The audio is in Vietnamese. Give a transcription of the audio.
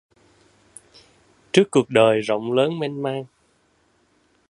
Trước cuộc đời rộng lớn mênh mang